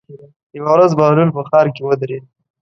یوه ورځ بهلول په ښار کې ودرېد.